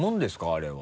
あれは。